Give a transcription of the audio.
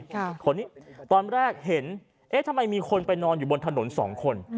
คนนี้ตอนแรกเห็นเอ๊ะทำไมมีคนไปนอนอยู่บนถนนสองคน